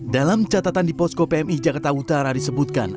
dalam catatan di posko pmi jakarta utara disebutkan